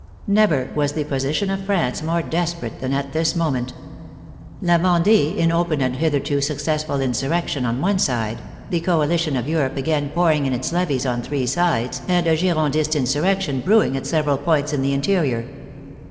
Never was the position of France more desperate than at this moment. *' La Vendee " in open and hitherto successful insurrection on one side, the coalition of Europe again pouring in its levies on three sides, and a Girond ist insurrection brewing at several points in the interior.